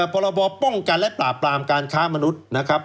พรบป้องกันและปราบปรามการค้ามนุษย์นะครับ